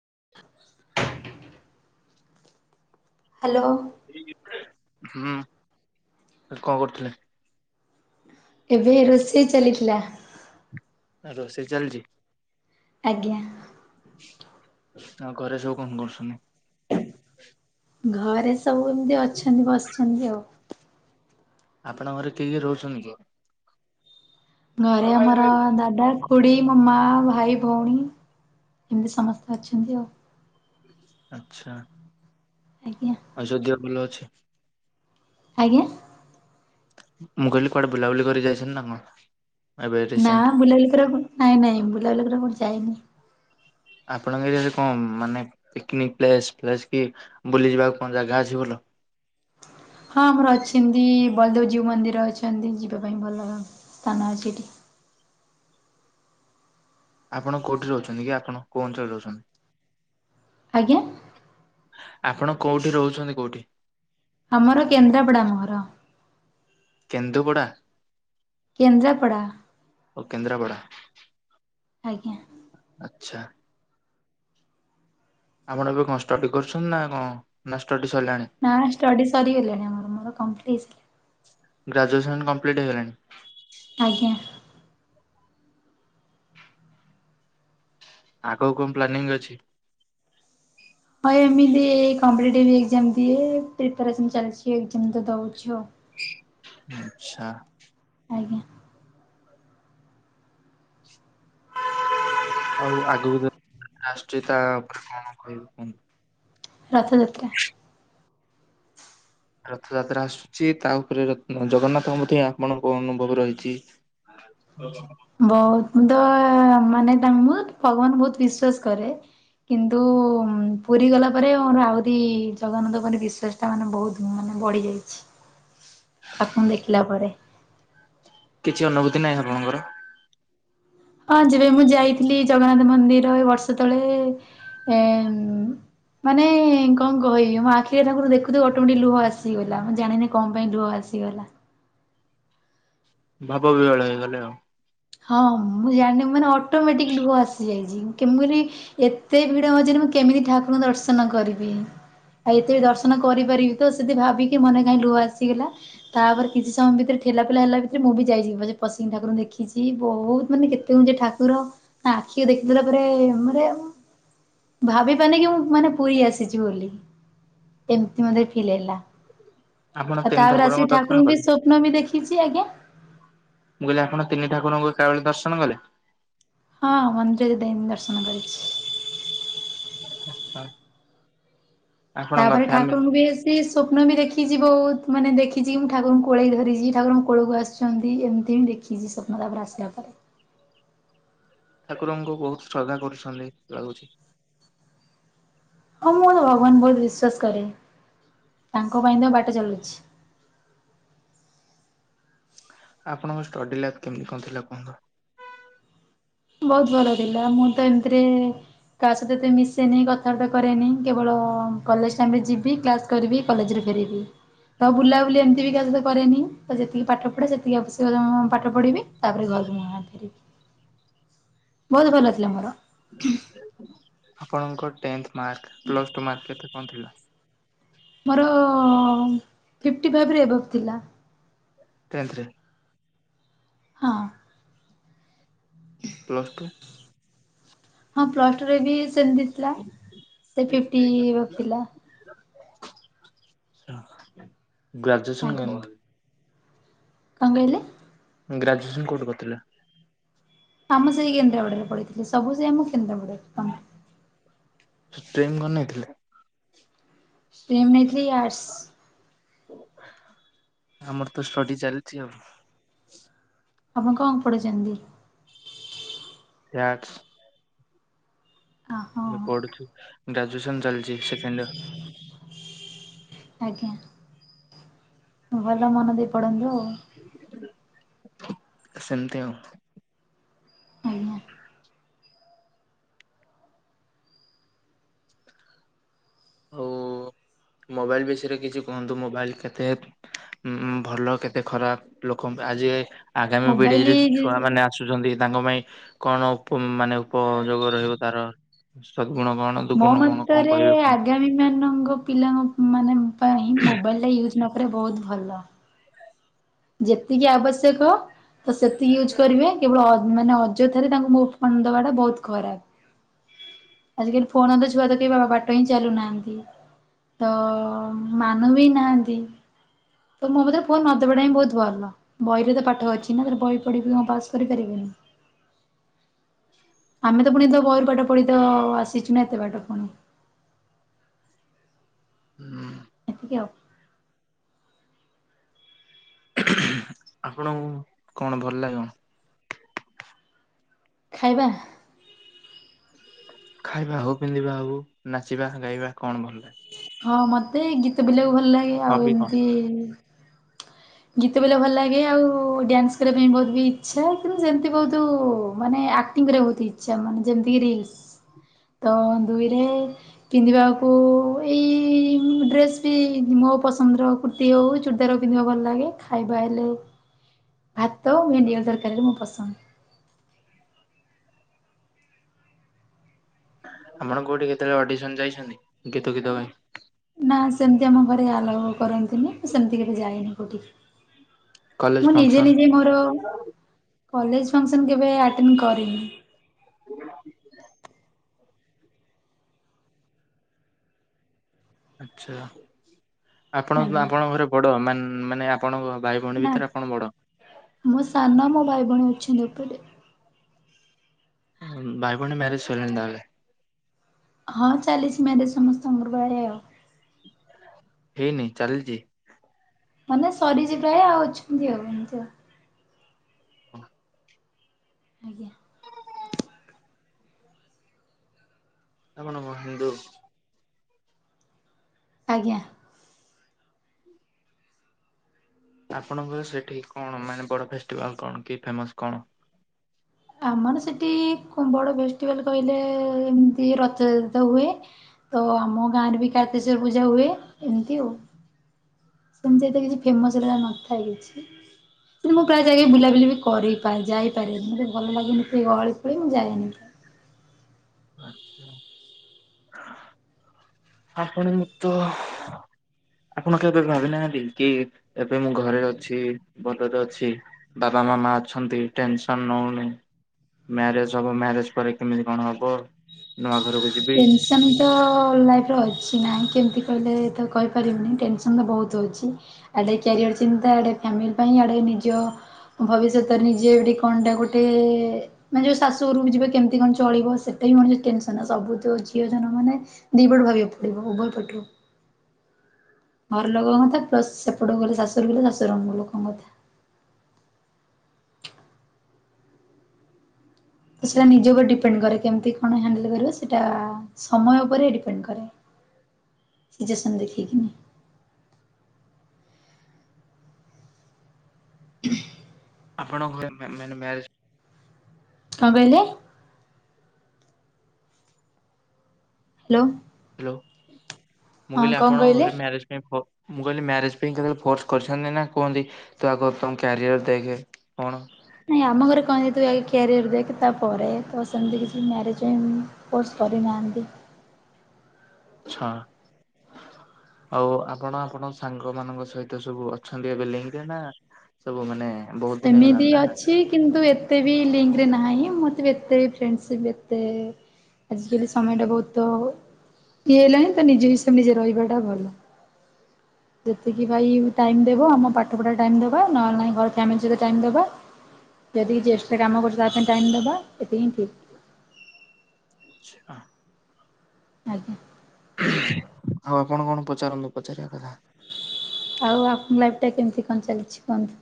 [inaudible] Hello. [inaudible] ହୁଁ [inaudible] କଣ କରୁଥିଲେ? ଏବେ ରୋଷେଇ ଚାଲିଥିଲା। ଆ ରୋଷଇ ଚାଲିଚି। ଆଜ୍ଞା!। [inaudible] ଆଉ ଘରେ ସବୁ କଣ କରୁଛନ୍ତି? ଘରେ ସବୁ ଏମିତି ଅଛନ୍ତି ବସିଛନ୍ତି ଆଉ। ଆପଣଙ୍କ ଘରେ କିଏ କିଏ ରୋହୁଛନ୍ତି କି? ଘରେ ଆମର ଦାଦା ଖୁ ଖୁଡି ମୋ ମା ଭାଇ ଭଉଣୀ ଏମିତି ସମସ୍ତେ ଅଛନ୍ତି ଆଉ। ଆଛା। ଆଜ୍ଞା। ଆଉ ଯଦିଓ ଭଲ ଅଛି। ଆଜ୍ଞା? ମୁଁ କହିଲି କୁଆଡେ ବୁଲାବୁଲି କରି ଯାଇଛନ୍ତି ନା କଣ? ଏବେ ନା ରିସେଣ୍ଟ? ବୁଲାବୁଲି କରିବା କୁ ନାଇଁ ନାଇଁ ବୁଲାବୁଲି କରିବା କୁ କୁଆଡ଼େ ଯାଇନି। ଆପଣଙ୍କ ଏରିଆ ରେ କଣ ମାନେ ପିକନିକ୍ ପ୍ଲେସ ଫ୍ଲେସ କି ବୁଲି ଯିବାକୁ କଣ ଜାଗା ଅଛି ଭଲ? ହଁ ଆମର ଅଛନ୍ତି ବଳଦେବଜୀଉ ମନ୍ଦିର ଅଛନ୍ତି ଯିବା ପାଇଁ ଭଲ ସ୍ଥାନ ଅଛି ଏଠି। ଆପଣ କୋଉଠି ରହୁଛନ୍ତି କି ଆପଣ କୋଉ ଅଞ୍ଚଳରେ ରହୁଛନ୍ତି। ଆଜ୍ଞା? ଆପଣ କୋଉଠି ରହୁଛନ୍ତି କୋଉଠି। ଆମର କେନ୍ଦ୍ରାପଡା ଆମ ଘର। କେନ୍ଦୁପଡ଼ା? କେନ୍ଦ୍ରାପଡ଼ା। ଓ କେନ୍ଦ୍ରାପଡ଼ା। ଆଜ୍ଞା। ଆଛା। ଆପଣ ଏବେ କଣ ଷ୍ଟଡି କରୁଛନ୍ତି ନା କଣ ନା ଷ୍ଟଡି ସରିଲାଣି? ନା ଷ୍ଟଡି ସରିଗଲାଣି ଆମର ମୋର କମ୍ପ୍ଲିଟ। ଗ୍ରାଜୁଏସନ୍ କମ୍ପ୍ଲିଟ୍ ହେଇଗଲାଣି? ଆଜ୍ଞା। ଆଗକୁ କଣ ପ୍ଲାନିଂ ଅଛି? ହଁ ଏମିତି କପିଟିଭ ଏକ୍ଜାମ ଦିଏ ପ୍ରିପାରେସନ ଚାଲିଛି ଏମୀତ ତ ଦଉଛି ଆଉ। ଆଚ୍ଛା। ଆଜ୍ଞା। ଆଉ ଆଗକୁ କେତ୍ ଆସୁଛି ତା ଉପରେ କଣ କହିବୁ କୁହନ୍ତୁ? ରଥ ଯାତ୍ରା। ରଥଯାତ୍ରା ଆସୁଛି ତା ଉପରେ ରଥ ଜଗନ୍ନାଥଙ୍କ ପ୍ରତି ଆପଣଙ୍କ କଣ ଅନୁଭବ ରହିଛି? ଆଛ। ବହୁତ ମୁଁ ତ ମାନେ ତାଙ୍କୁ ମୁ ଭଗବାନଙ୍କୁ ବହୁତ ବିଶ୍ଵାସ କରେ। କିନ୍ତୁ ପୁରୀ ଗଲା ପରେ ମୋର ଆହୁରି ଜଗନ୍ନାଥ ଉପରେ ବିଶ୍ୱାସ ତା ମାନ ବହୁତ ମାନେ ବଢ଼ିଯାଇଛି। [inaudible] ଠାକୁରଙ୍କୁ ଦେଖିଲା ପରେ। କିଛି ଅନୁଭୂତି ନାହିଁ ଆପଣଙ୍କର? ହଁ ଯବେ ମୁଁ ଯାଇଥିଲି ଜଗନ୍ନାଥ ମନ୍ଦିର ଏ ବର୍ଷ ତଳେ ଏ ମାନେ କଣ କହିବି ମୋ ଆଖିରେ ଠାକୁର ଦେଖୁ ଦେଖୁ ଅଟୋମ୍ୟାଟିକ ଲୁହ ଆସିଗଲା ମୁଁ ଜାଣିନି। କଣ ପାଇଁ ଲୁହ ଆସିଗଲା। ଭାବ ବିହୋଳ ହେଇଗଲେ ଆଉ। ହଁ ମୁଁ ଜାଣିନି ମାନେ ଅଟୋମେଟିକ ଲୁହ ଆସିଯାଇଛି କେମିତିରି ଏତେ ଭିଡ ମଝିରେ ମୁଁ କେମିତି ଠାକୁରଙ୍କୁ ଦର୍ଶନ କରିବି? ଏଇଥିରେ ଦର୍ଶନ କରିପାରିବି ତ, ସେଠି ଭାବିକି ମନେ କାହିଁ ଲୁହ ଆସିଗଲା ତାପରେ କିଛି ସମୟ ଭିତରେ ଠେଲା ପେଲା ହେଲା ବି ଯେ ମୁଁ ବି ଯାଇଛି ବୋଧେ ପଶିକି ଠାକୁରଙ୍କୁ ଦେଖିଛି ବହୁତ ମାନେ କେତେ ଉଁଚା ଠାକୁର ତା ଆଖିକି ଦେଖିଦେଲା ପରେ ମାନେ ଭାବି ପାରୁନି କି ମୁଁ ମାନେ ପୁରୀ ଆସିଛି ବୋଲି। ଏମିତି ମୋତେ ଫିଲ୍ ହେଲା ଆପଣ ଆଉ ତିନି ତାପରେ ଠାକୁରଙ୍କ ଆସିକି ବି ଦର୍ଶନ ଠାକୁରଙ୍କୁ ବି କଲେ ପୂର୍ଣ୍ଣମୀ ଦେଖିଛି ଆଜ୍ଞା। ମୁଁ କହିଲି ଆପଣ ତିିନିଠାକୁରଙ୍କୁ ଏକାବେଳେ ଦର୍ଶନ କଲେ? ହଁ ମନ୍ଦିରରେ ଯାଇ ଦର୍ଶନ କରିଛି। ଆଚ୍ଛା। ଆପଣଙ୍କ ତାପରେ ଫ୍ୟାମିଲି ଠାକୁରଙ୍କୁ ବି ସେ ସ୍ୱପ୍ନ ବି ଦେଖିଛି ବହୁତ ମାନେ ଦେଖିଛିି। ମୁଁ ଠାରଙ୍କୁ କୋଳେଇକି ଧରିଛି ଠାକୁରଙ୍କ କୋଳକୁ ଆସିଛନ୍ତି, ଏମିତି କିଛି ସ୍ବପ୍ନ ତାପରେ ଆସିଲା ପା। ଠାକୁରଙ୍କୁ ବହୁତ ଶ୍ରଦ୍ଧା କରୁଛନ୍ତି ଲାଗୁଛି। ହଁ ମୁଁ ତ ଭଗବାନଙ୍କୁ ବହୁତ ବିଶ୍ଵାସ କରେ ତାଙ୍କ ପାଇଁ ତ ବାଟ ଚାଲୁଛି। ଆପଣଙ୍କ ଷ୍ଟଡି ଲାଇଫ କେମିତି କଣ ଥିଲା କୁହନ୍ତ? ବହୁତ ଭଲଥିଲା ମୁଁ ତ ଏମିତିରେ କା ସହିତ ଏତେ ମିଶେନି କଥାବାର୍ତ୍ତା କରେନି କେବଳ କଲେଜ ଟାଇମ୍ରରେ ଯିବି କ୍ଲା କରିବି କଲେଜ ରେ ଫେରିବି। ତ ବୁଲାବୁଲି ଏମିତି ବି କାହା ସହିତ କରେନି, ତ ଯେତିକି ପାଠ ପଢେ ସେତିକି ଆବଶ୍ୟ ପାଠ ପଢ଼ିବି ତାପରେ ଘରକୁ ମୁଁ ଆସେ। ବହୁତ ଭଲ ଥିଲା ମୋର। ଆପଣଙ୍କ tenth mark, plus two mark କେତେ କଣ ଥିଲା? ମୋର ଫିଫ୍ଟି ଫାଇଭରେ ଏଭଭ୍ ଥିଲା। ଟେନ୍ଥ। ହଁ। ହଁ ପ୍ଲସ୍ ଟୁ। ହଁ ପ୍ଲସ ଟୁରେ ବି ସେମିତି ଥିଲା ସେ ଫିଫଟି ଥିଲା। ଗ୍ରାଜୁଏସନ ଆଜ୍ଞା। କଣ? କଣ କହିଲେ? ଗ୍ରାଜୁଏସନ କୋଉଠି କରିଥିଲେ? ଆମେ ସେଇ କେନ୍ଦ୍ରାପଡାରେ ପଢ଼ି ଥିଲେ ସବୁ ସେଇ ଆମ କେନ୍ଦ୍ରାଡାରେ କ ଷ୍ଟ୍ରୀମ୍ କଣ ନେଇ ଥିଲ? ଷ୍ଟ୍ରୀମ ନେ ଆଟ୍ସ। ଆମର ତ ଷ୍ଟଡି ଚାଲିଛି ଆଉ। ଆପଣ କଣ ପଢ଼ିଛନ୍ତି? ଫ୍ୟାଟ୍। ହଁ ପଢୁଛି ଗ୍ରାଜୁଏସନ ଚାଲିଛି ସେକେଣ୍ଡ ଇଅର୍। ଆଜ୍ଞା ଭଲ ମନ ଦେଇ ପଢ଼ନ୍ତୁ। ସେମତି ଆଉ। ଉ ହୁଁ। ଅ ମୋବାଇଲ ବିଷୟରେ କିଛି କୁହନ୍ତୁ ମୋବାଇଲ କେତେ ଉଁ ଭଲ କେତେ ଖରାପ ଲୋକ ଆଜି ଆଗାମୀ ପିଢିରେ ମୋବାଇଲି ଛୁଆ ମାନେ ଆସୁଚନ୍ତି ତାଙ୍କ ପାଇଁ କଣ ଉପ-ମାନେ ଉପଯୋଗ ରହିବ ତାର ସଦ୍ ଗୁଣ କଣ ମୋ ଦୁର୍ଗୁଣ କଣ କଣ ମତରେ କହିବେ କୁହନ୍ତୁ ଆଗାମୀ ମାନଙ୍କ ପିଲାଙ୍କ ମାନେ ପାଇଁ ମୋବାଇଲ ଟା ୟୁଜ୍ ନକରିବା ବହୁତ୍ ଭଲ। ଯେତିକି ଆବଶ୍ୟକ ତ ସେତିକି ୟୁଜ୍ କରିବେ। କେବଳ ଅ-ମାନେ ଅଯଥାରେ ତାଙ୍କୁ ମୋ ଉ-ଫୋନ୍ ଦବାଟା ବହୁତ୍ ଖରାପ୍। ଆଜିକାଲି ଫୋନ୍ ତ ଛୁଆ [unintelligible] ବାଟ ହିଁ ଚାଲୁନାହାନ୍ତି। ତ ମାନୁ ବି ନାହାନ୍ତି। ତ ମୋ ମତରେ ଫୋନ୍ ନ ଦବାଟା ହିଁ ବହୁତ୍ ଭଲ ବହିରେ ତ ପାଠ ଅଛି ନା ବହି ପଢି କଣ ପାସ୍ କରିପାରିବେନି। ହୁ ଆମେ ତ ପୁଣି ତ ବହି ପାଠ ପଢି ତ ଆସିଚୁ ନା ଏତେ ବାଟ ପୁଣି। [unintelligible] [inaudible] ଆପଣଙ୍କୁ କଣ ଭଲ ଲାଗିବ? ଖାଇବା? ଖାଇବା ହଉ ପିନ୍ଧିବା ହଉ ନାଚିବା ଗାଇବା କଣ ଭଲ ଲାଗେ? ହଁ ମତେ ଗୀତ ବୋଲିବାକୁ ଭଲ ଲାଗେ ଆଉ ହବି କଣ ଏମିତି ଗୀତ ବୋଲିବାକୁ ଭଲ ଲାଗେ ଆଉ ଡ୍ୟାନ୍ସ୍ କରିବା ପାଇଁ ବହୁତ ବି ଇଚ୍ଛା କିନ୍ତୁ ସେମିତି ବହୁତୁ ମାନେ ଆ କ୍ଟିଙ୍ଗ୍ କରିବା ପାଇଁ ବହୁତ୍ ଇଚ୍ଛା ମାନେ ଯେମିତି ରିଲ୍ସ୍ ତ ଦୁଇରେ ପିନ୍ଧିବାକୁ ଏଇ ଡ୍ରେସ୍ [unintelligible] ମୋ ପସନ୍ଦର କୁର୍ତ୍ତୀ ହଉ ଚୁଡିଦାର୍ ପିନ୍ଧିବା ଭଲ ଲାଗେ ଖାଇବା ହେଲେ ଭାତ ଭେଣ୍ଡି ଆଳୁ ତରକାରୀ ବି ମୋ ପସନ୍ଦ୍। ଆପଣ କଉଠି କେତେବେଳେ ଅଡିସନ୍ ଯାଇଚନ୍ତି ଗୀତ ଗୀତ ପାଇଁ? ନା ସେମିତି ଆମ ଘରେ ଆଲାଓ କରନ୍ତିନି ମୁଁ ସେମିତି କେବେ ଯାଇନି କଉଠିକି। କଲେଜ ମୁଁ ନିଜେ ଫଙ୍କସନ ନିଜେ ମୋର କଲେଜ୍ ଫଙ୍କ୍ସନ୍ କେବେ ଆଟେଣ୍ଡ୍ କରିନି। [inaudible] ଆଛା ଆପଣ ଆଜ୍ଞା। ଆପଣଙ୍କ ଘରେ ବଡ ମାନ୍- ମାନେ ଆପଣଙ୍କ ଭାଇ ଭଉଣୀ ଭିତରେ ଆପଣ ବଡ? ମୁଁ ସାନ ମୋ ଭାଇ ଭଉଣୀ ଅଛନ୍ତି ଉପରେ। ଭାଇ ଭଉଣୀ ମ୍ୟାରେଜ୍ ସଇଲାଣି ତାହେଲେ? ହଁ ଚାଲିଚି ମ୍ୟାରେଜ୍ ସମସ୍ତଙ୍କର [unintelligible] ଆଉ। ହେଇନି ଚାଲିଚି? ମାନେ ସରିଚି ପ୍ରାୟେ ଆଉ ଅଛନ୍ତି ଆଉ ଏମିତି ଆଉ। ହଁ ଆଜ୍ଞା। ଆପଣ କଣ ହିନ୍ଦୁ? ଆଜ୍ଞା। ଆପଣଙ୍କର ସେଠି କଣ ମାନେ ବଡ ଫେଷ୍ଟିଭାଲ୍ କଣ କି ଫେମସ୍ କଣ? ଆମର ସେଠି ବଡ ଫେଷ୍ଟିଭାଲ୍ କହିଲେ ଏମିତି ରଜ ତ ହୁଏ ତ ଆମ ଗାଁ ରେ ବି କାର୍ତିକେଶ୍ଵର ପୂଜା ହୁଏ ଏମିତି ଆଉ। ସେମିତି ଏଠେ କିଛି ଫେମସ୍ ହେରା ନଥାଏ କିଛି। ହ କିନ୍ତୁ ମୁଁ ପ୍ରାୟେ ଯାଇକି ବୁଲାବୁଲି ବି କରିପାରେ ଯାଇପାରେ କିନ୍ତୁ ମତେ ଭଲ ଲାଗେନି ସେ ଗହଳି ପହଳି ମୁଁ ଯାଏନି। ଆଛା ଆପଣ ମୁ ତ ଆପଣ କେବେ ଭାବି ନାହାନ୍ତି କି ଏବେ ମୁଁ ଘରେ ଅଛି ଭଲରେ ଅଛି। ବାବା ମାମା ଅଛନ୍ତି ଟେନସନ୍ ନଉନି। ମ୍ୟାରେଜ୍ ହବ, ମ୍ୟାରେଜ୍ ପରେ କେମିତି କଣ ହବ? ନୂଆ ଘରୁକୁ ଯିବି। ସେମିତିତ ଲାଇଫରେ ଅଛି ନାଇଁ କେମତି କହିଲେ ତ କହିପାରିବିନି ଟେନସନ୍ ତ ବହୁତ୍ ଅଛି। ଆଡେ କ୍ୟାରିଅର ଚିନ୍ତା ଆଡେ ଫ୍ୟାମିଲ ପାଇଁ ଆଡେ ନିଜ ଭବିଷ୍ୟତରେ ନିଜେ ଏଠି କଣଟା ଗୋଟେ ମାନେ ଯୋଉ ଶାଶୁଘରୁକୁ ଯିବେ କେମତି କଣ ଚଳିବ, ସେଟା ବି ମଣିଷ ଟେନସ ସବୁ ତ ଝିଅ ଜନମ ମାନେ ଦି ପଟୁ ଭାବିବାକୁ ପଡିବ ଉଭୟ ପଟରୁ। ଘର ଲୋକଙ୍କ କଥା ପ୍ଲସ୍ ସେପଟକୁ ଗଲେ ଶାଶୁ ଘରୁକୁ ଗଲେ ଶାଶୁଘର ଲୋକଙ୍କ କଥା। ତ ସେଟା ନିଜ ଉପରେ ଡିପେଣ୍ଡ କରେ କେମତି କଣ ହ୍ୟାଣ୍ଡେଲ କରିବ ସେଟା ସମୟ ଓପେରେ ଡିପେଣ୍ଡ କରେ ସିଚୁଏସନ୍ ଦେଖିକିନି। ହୁଁ ଆପଣଙ୍କ ଘରେ ମ୍ୟା ମ୍ୟାନେ ମ୍ୟାରେଜ୍ କଁ କଇଲେ? ହାଲୋ। ହାଲୋ, ମୁଁ କଇଲି କଣ ଆପଣଙ୍କ କହିଲେ? ଘରେ ମ୍ୟାରେଜ ପାଇଁ ଫୋ ମୁଁ କଇଲି ମ୍ୟାରେଜ୍ ପାଇଁ କେତେବେଳେ ଫୋର୍ସ କରିସନ୍ତି ନା କୁହନ୍ତି ତୁ ଆଗ ତମ କ୍ୟାରିଅର ଦେଖେ କଣ? ନାଇଁ ଆମ ଘରେ କହନ୍ତି ତୁ ଆଗେ କ୍ୟାରିଅର ଦେଖେ ତା ପରେ ତ ସେମତି କିଛି ମ୍ୟାରେଜ କେମ୍ ଫୋର୍ସ କରିନାଆନ୍ତି। ଆଚ୍ଛା! ଆଉ ଆପଣ ଆପଣ ସାଙ୍ଗ ମାନଙ୍କ ସହିତ ସବୁ ଅଛନ୍ତି ଏବେ ଲିଙ୍କ୍ ରେ ନା ସବୁ ମାନେ ବହୁତ ଦିନ ସେମିତି ହେଲାଣି ନା ଅଛି। କିନ୍ତୁ ଏତେ ବି ଲିଙ୍କ୍ ରେ ନାହିଁ ମତେ ବି ଏତେ ଫ୍ରେଣ୍ଡ ସିପ୍ ଏତେ ଆଜିକାଲି ସମୟ ଟା ବହୁତ ଇଏ ହେଇଲାଣି ତ ନିଜେ ହିସାବ ନିଜେ ରହିବା ଟା ଭଲ। ଯେତିକି ଭାଇ ଟାଇମ୍ ଦେବ ଆମ ପାଠ ପଢା ଟାଇମ୍ ଦବା, ନହେଲେ ନାଇଁ ଘର ଫ୍ୟାମିଲ ସଇତ ଟାଇମ୍ ଦବା ଯଦି କିଛି ଏକ୍ସଟ୍ରା କାମ କରୁଛ ତା ପାଇଁ ଟାଇମ୍ ଦବା ଏତିକି ହିଁ ଠିକ୍। [unintelligible] ଆଚ୍ଛା। ଆଜ୍ଞା! ଆଉ ଆପଣ କଣ ପଚାରନ୍ତୁ ପଚାରିଆ କଥା? ଆଉ ଆପଣଙ୍କ ଲାଇଫ୍ ଟା କେମତି କଁ ଚାଲଚି କୁହନ୍ତୁ?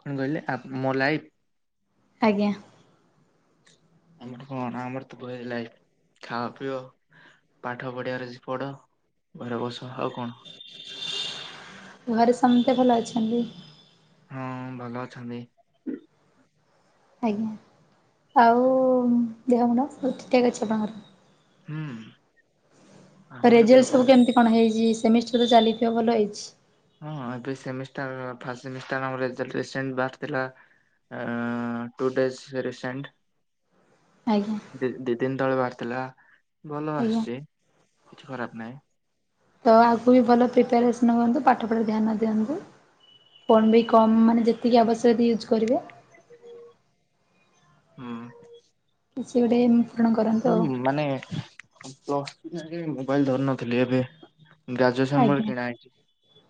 କଣ କଇଲେ ଆପ୍ ମୋ ଲାଇପ୍? ଆଜ୍ଞା! ଆମର କଣ ଆମର ତ କଇଲେ ଖାଅ ପିଅ। ପାଠ ପଢିବାର ଅଛି ପଢ, ଘରେ ବସ ଆଉ କଣ? ଘରେ ସମିତେ ଭଲ ଅଛନ୍ତି। ହଁଅଁ ଭଲ ଅଛନ୍ତି। ଆଜ୍ଞା! ଆଉ ଉମ ଦେହ ମୁଣ୍ଡ ସବୁ ଠିକ୍ ଠାକ୍ ଅଛ ତମର। ହୁଁ। ଆମର ଦେହ ରେଜେଲ୍ଟସ ସବୁ କେମତି କଣ ହେଇଚି? ସେମିଷ୍ଟର ଚାଲିଥିବ ଭଲ ହେଇଛି। ହଁ ଏବେ ସେମିଷ୍ଟାର ଫାଷ୍ଟ ସେମିଷ୍ଟାର ଆମ ରେଜଲ୍ଟ ରିସେଣଟ୍ଟ ବାହାରିଥିଲା ଏଁ ଏଁ ଟୁ ଡେଜସ୍ ରେ ରିସେଣ୍ଟ। ଆଜ୍ଞା! ଦି ଦିନ୍ ତଳେ ବାହାରିଥିଲା ଭଲ ଆଜ୍ଞା ଆସଚି କିଛି ଖରାପ୍ ନାଇଁ। ତ ଆଗୁକୁ ବି ଭଲ ପ୍ରିପାଏରେସନ୍ ହୁଅନ୍ତୁ। ପାଠ ପଢ଼ାରେ ଧ୍ୟାନ ଦିଅନ୍ତୁ। ଫୋନ୍ ବି କମ୍ ମାନେ ଯେତିକି ଆବଶ୍ୟକ ୟୁଜ୍ କରିବେ। ହୁଁ କିଛି ଗୋଟେ ପୂରଣ କରନ୍ତୁ ଆଉ। ମାନେ ତ ମୋବାଇଲ ଧରିନଥିଲି ଏବେ ଗ୍ରାଜୁଏସନ ପରେ ଆଜ୍ଞା କିଣା ହେଇଚି।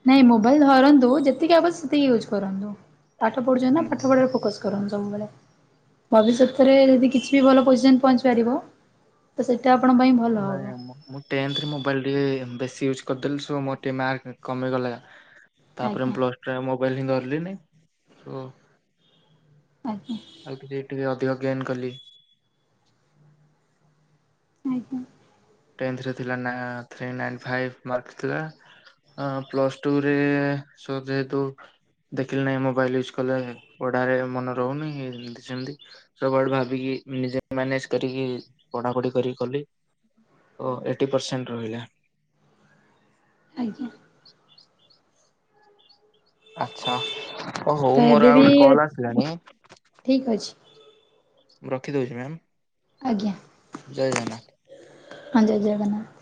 ନାଇଁ ମୋବାଇଲ ଧରନ୍ତୁ। ଯେତିକି ଆବ ସେତିକି ୟୁଜ୍ କରନ୍ତୁ। ପାଠ ପଢୁଚନ୍ତି ନା ହୁଁ। ପାଠ ପଢ଼ା ଫୋକସ କରନ୍ତୁ ସବୁ ବେଳେ। ଭବିଷତରେ କିଛି ଯଦି ଭଲ ପଇସା ଇନ ପହଞ୍ଚି ପାରିବ। ତ ସେଇଟା ଆପଣ ପାଇଁ ଭଲ ହବ। ନାଇଁ ଆମ ମୁଁ ଟେନ୍ଥ ରେ ମୋବାଇଲ୍ ଟେ ବେଶୀ ୟୁଜ୍ କରିଦେଲି ତ ସବୁ ମୋର ମାର୍କ କମିଗଲା। ତାପରେ ଆଜ୍ଞା ପ୍ଲସ ଟାଇ ମୋବାଇଲ ଧରିଲିନି ହଁ। ଆଜ୍ଞା! ଆଉ ଟିକେ ଏଥିରେ ଅଧିକ ଗେନ୍ କଲି। ଆଞା! ଟେନ୍ଥଥିଲା ନା ଥ୍ରି ନାଇନଫାଇବ ମାର୍କ ଥିଲା। ହଁ ପ୍ଲସ ଟୁ ରେ ସୋ ଯେହେତୁ ଦେଖିଲେ ନାଇଁ ମୋବାଇଲ ୟୁଜ୍ କଲେ ପଢାରେ ମନେ ରହୁନି ସେମତି। ସବୁଆଡୁ ଭାବିକି ନିଜେ ମ୍ୟାନେଜ୍ କରିକି ପଢାପଢି କରିକି କଲି। ଓ ଏଟି ପରସେଣ୍ଟ ରହିଲା। ଆଜ୍ଞା! ଆଚ୍ଛା, ଓ ହଉ ତ ମୋର ଏବେ ଆଉ ବି ଗୋଟେ କଲ ଆସିଲାଣି। ଠିକ୍ ଅଛି। ମୁଁ ରଖିଦେଉଛି ମ୍ୟାମ୍। ଆଜ୍ଞା, ଜୟ ଜଗନ୍ନାଥ। ହଁ ଜଗନ୍ନାଥ।